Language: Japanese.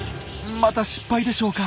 また失敗でしょうか。